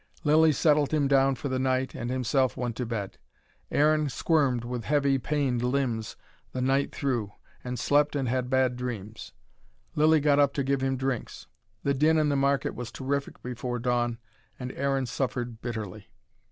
Lilly settled him down for the night, and himself went to bed. Aaron squirmed with heavy, pained limbs, the night through, and slept and had bad dreams. Lilly got up to give him drinks. The din in the market was terrific before dawn, and Aaron suffered bitterly.